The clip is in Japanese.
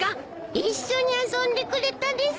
一緒に遊んでくれたです！